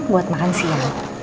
buat makan sini